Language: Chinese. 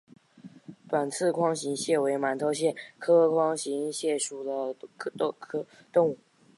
短刺筐形蟹为馒头蟹科筐形蟹属的动物。